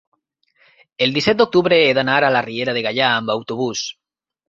el disset d'octubre he d'anar a la Riera de Gaià amb autobús.